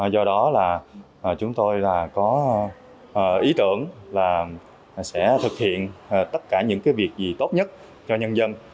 do đó là chúng tôi là có ý tưởng là sẽ thực hiện tất cả những cái việc gì tốt nhất cho nhân dân